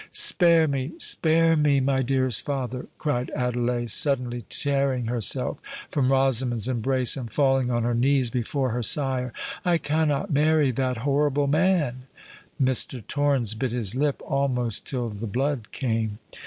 "Spare me—spare me, my dearest father!" cried Adelais, suddenly tearing herself from Rosamond's embrace, and falling on her knees before her sire: "I cannot marry that horrible man!" Mr. Torrens bit his lip almost till the blood came.